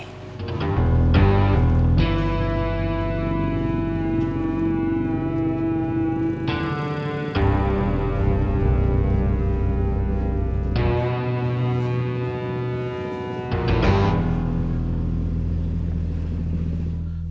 ketemu sama orang yang nyari saya